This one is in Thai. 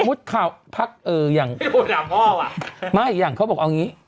สมมุติข่าวพักไม่อย่างเขาบอกเอาอย่างนี้